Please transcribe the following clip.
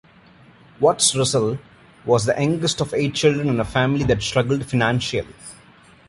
Watts-Russell was the youngest of eight children in a family that struggled financially.